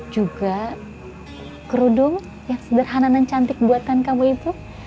juga kerudung yang sederhana dan cantik buatan kamu ibu